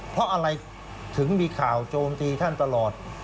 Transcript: เพราะอะไรถึงมีข่าวโจมตีท่านตลอด